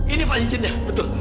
ini pak cincinnya betul